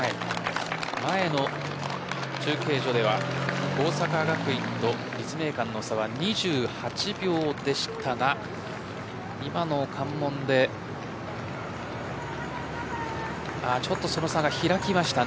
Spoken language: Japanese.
前の中継所では大阪学院と立命館の差は２８秒でしたが今の関門でちょっと差が開きましたね。